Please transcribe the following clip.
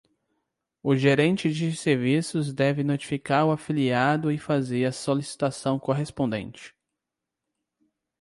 O gerente de serviços deve notificar o afiliado e fazer a solicitação correspondente.